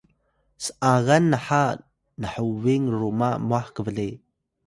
s’agan naha nhobing ruma mwah kble